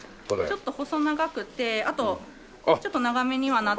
ちょっと細長くてあとちょっと長めにはなってるので。